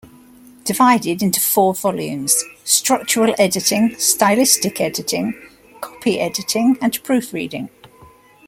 Divided into four volumes: structural editing, stylistic editing, copy editing, and proofreading.